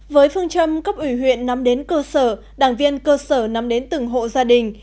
với phương châm cấp ủy huyện nắm đến cơ sở đảng viên cơ sở nắm đến từng hộ gia đình